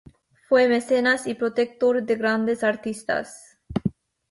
Fue mecenas y protector de grandes artistas.